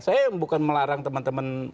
saya bukan melarang teman teman